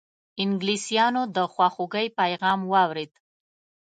انګلیسیانو د خواخوږی پیغام واورېد.